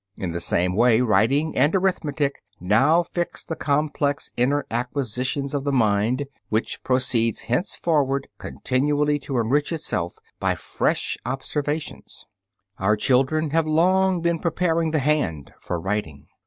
In the same way writing and arithmetic now fix the complex inner acquisitions of the mind, which proceeds henceforward continually to enrich itself by fresh observations. Our children have long been preparing the hand for writing.